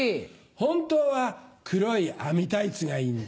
本当は黒い網タイツがいいんだ。